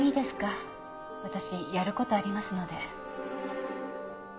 私やる事ありますので。